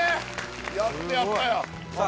やってやったよさあ